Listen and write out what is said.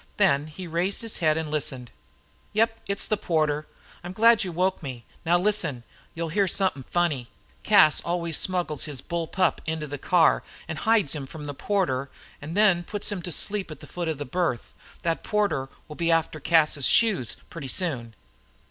Then he raised his head and listened. "Yep, it's the porter. I'm glad you woke me. Now, listen an' you'll hear somethin' funny. Cas always smuggles his bull pup into the car, an' hides him from the porter, an' then puts him to sleep at the foot of the berth. Thet porter will be after Cas's shoes pretty soon."